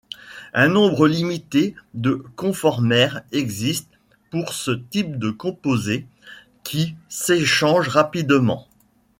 Un nombre limité de conformères existe pour ce type de composés, qui s'échangent rapidement.